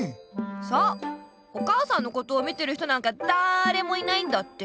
そうお母さんのことを見てる人なんかだれもいないんだって。